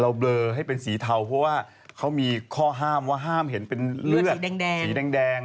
เบลอให้เป็นสีเทาเพราะว่าเขามีข้อห้ามว่าห้ามเห็นเป็นเลือดสีแดง